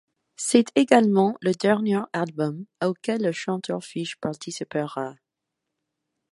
C'est également le dernier album auquel le chanteur Fish participera.